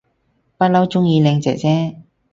不嬲鍾意靚姐姐